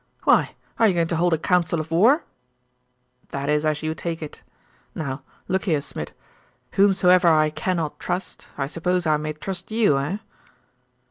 'Why, are you going to hold a council of war?' 'That is as you take it. Now, look here, Smid. Whomsoever I cannot trust, I suppose I may trust you, eh?